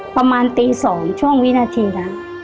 ประมาณตี๒ช่วงวินาทีนะ